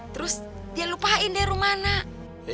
terus dia lupain deh rumah nasa